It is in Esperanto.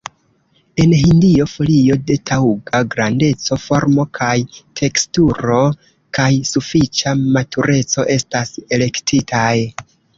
En Hindio, folioj de taŭga grandeco, formo kaj teksturo, kaj sufiĉa matureco estas elektitaj.